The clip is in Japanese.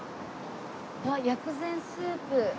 あっ薬膳スープ。